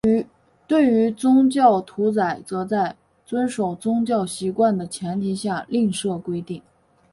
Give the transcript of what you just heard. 对于宗教屠宰则在遵守宗教习惯的前提下另设规定。